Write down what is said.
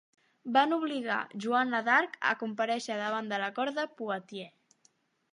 Van obligar Joana d'Arc a comparèixer davant de la cort de Poitiers.